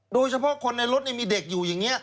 โดยเฉพาะคนในรถมีเด็กอยู่อย่างนี้